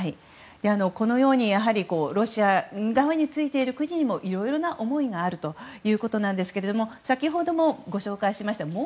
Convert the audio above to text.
このようにロシア側についている国にもいろいろな思いがあるということなんですが先ほどもご紹介しました